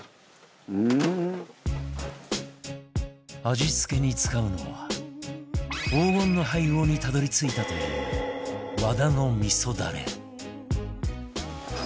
味付けに使うのは黄金の配合にたどり着いたという和田の味噌ダレ